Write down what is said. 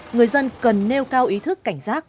người dân cần nêu cao ý thức cảnh giác